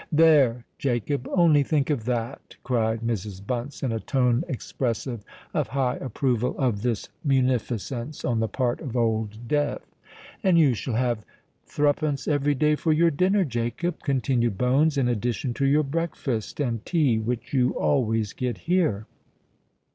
"There—Jacob; only think of that!" cried Mrs. Bunce, in a tone expressive of high approval of this munificence on the part of Old Death. "And you shall have threepence every day for your dinner, Jacob," continued Bones, "in addition to your breakfast and tea which you always get here."